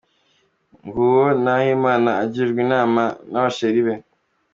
Nguwo Nahimana agirwa inama naba cherie be